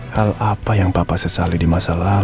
hal apa yang bapak sesali di masa lalu